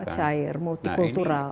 semua cair multi kultural